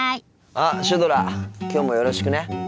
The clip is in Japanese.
あっシュドラきょうもよろしくね。